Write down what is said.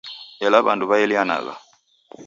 Ela w'andu waelianagha.